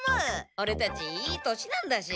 オレたちいい年なんだし。